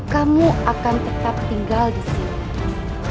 kamu akan tetap tinggal disini